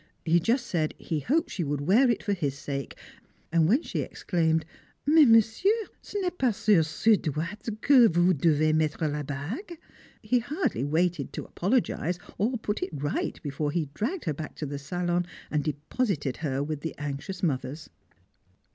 He just said he hoped she would wear it for his sake; and when she exclaimed, "Mais, monsieur! ce n'est pas sur ce doigt que vous devez mettre la bague!" he hardly waited to apologise or put it right before he dragged her back to the salon and deposited her with the anxious mothers!